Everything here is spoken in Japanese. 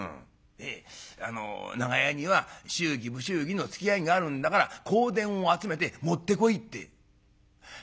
「であの『長屋には祝儀不祝儀のつきあいがあるんだから香典を集めて持ってこい』って」。